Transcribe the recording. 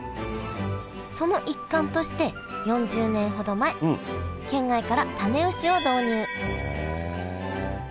その一環として４０年ほど前県外から種牛を導入へえ。